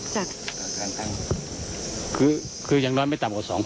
จะได้